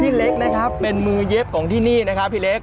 เล็กนะครับเป็นมือเย็บของที่นี่นะครับพี่เล็ก